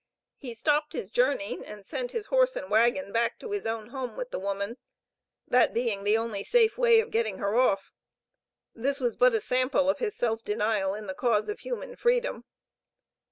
He stopped his journey, and sent his horse and wagon back to his own home with the woman, that being the only safe way of getting her off. This was but a sample of his self denial, in the cause of human freedom.